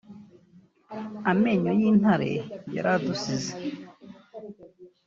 Amenyo y’intare yaradusize